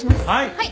はい。